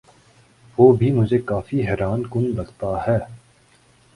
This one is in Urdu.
وہ بھی مجھے کافی حیران کن لگتا ہے۔